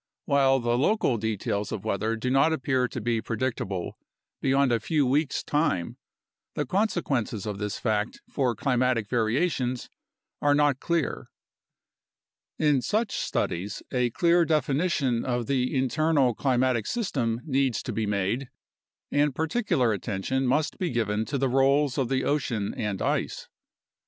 While the local details of weather do not appear to be predictable beyond a few weeks' time, the consequences of this fact for climatic variations are not clear. In such studies a clear definition of the internal climatic system needs to be made, and particular attention must be given to the roles of the ocean and ice.